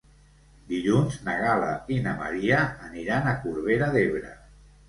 Dilluns na Gal·la i na Maria aniran a Corbera d'Ebre.